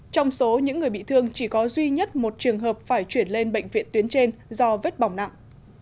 trong số những người bị thương chỉ có duy nhất một trường hợp phải chuyển lên bệnh viện tuyến trên do vết bỏng nặng